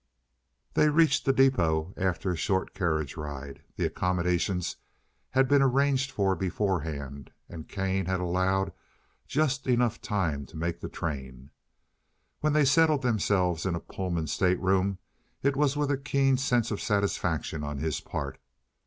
They reached the depôt after a short carriage ride. The accommodations had been arranged for before hand, and Kane had allowed just enough time to make the train. When they settled themselves in a Pullman state room it was with a keen sense of satisfaction on his part.